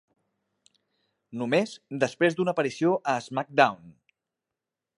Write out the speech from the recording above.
Només després d"una aparició a SmackDown!